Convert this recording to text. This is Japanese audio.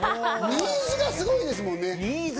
ニーズがすごいですもんね。